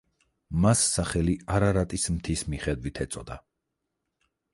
მას სახელი არარატის მთის მიხედვით ეწოდა.